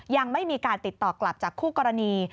ยังไม่มีการติดต่อกลับจากคู่กรณี